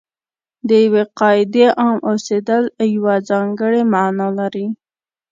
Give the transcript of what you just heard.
د یوې قاعدې عام اوسېدل یوه ځانګړې معنا لري.